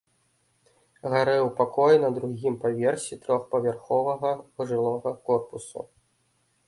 Гарэў пакой на другім паверсе трохпавярховага жылога корпуса.